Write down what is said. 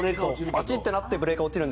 バチってなってブレーカー落ちる。